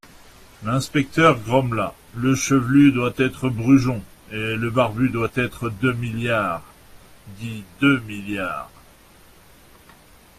L'inspecteur grommela : Le chevelu doit être Brujon, et le barbu doit être Demi-Liard, dit Deux-Milliards.